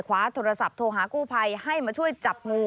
คว้าโทรศัพท์โทรหากู้ภัยให้มาช่วยจับงู